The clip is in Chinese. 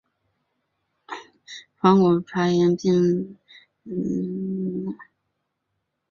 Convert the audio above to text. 黄果树爬岩鳅为平鳍鳅科爬岩鳅属的鱼类。